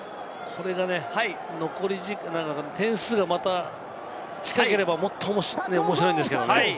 これが残り時間、点差がまた近ければもっと面白いんですけれどもね。